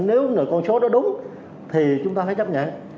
nếu con số đó đúng thì chúng ta hãy chấp nhận